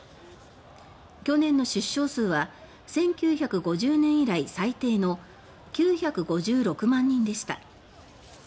去年の出生数は１９５０年以来最低の９５６万人でした。